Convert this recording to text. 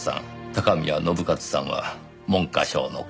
高宮信一さんは文科省の官僚。